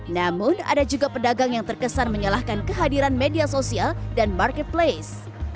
namun ada juga pedagang yang terkesan menyalahkan kehadiran media sosial dan marketplace